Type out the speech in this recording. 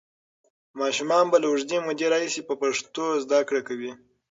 ماشومان به له اوږدې مودې راهیسې په پښتو زده کړه کوي.